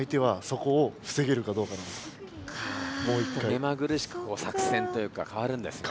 目まぐるしく作戦というかかわるんですね。